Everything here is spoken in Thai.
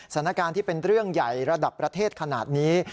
สถานการณ์ที่เป็นเรื่องใหญ่ระดับประเทศขนาดนี้